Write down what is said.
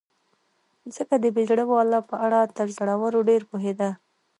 ځکه د بې زړه والاو په اړه تر زړورو ډېر پوهېده.